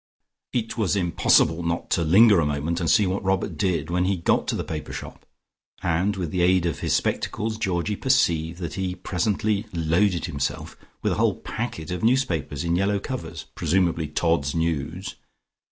It was impossible not to linger a moment and see what Robert did when he got to the paper shop, and with the aid of his spectacles Georgie perceived that he presently loaded himself with a whole packet of papers in yellow covers, presumably "Todd's News."